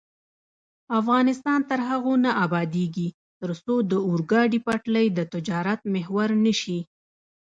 افغانستان تر هغو نه ابادیږي، ترڅو د اورګاډي پټلۍ د تجارت محور نشي.